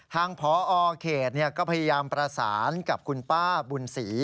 ทางพอเขตก็พยายามประสานกับคุณป้าบุญศรี